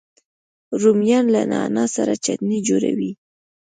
رومیان له نعنا سره چټني جوړوي